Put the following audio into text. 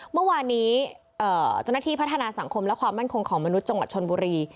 เมื่อวานนี้เจ้าหน้าที่พัฒนาสังคมและความมั่นคงของมนุษย์จังหวัดชนบุรี